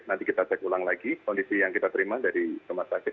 nanti kita cek ulang lagi kondisi yang kita terima dari rumah sakit